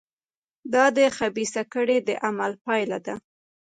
دا د خبیثه کړۍ د عمل پایله ده.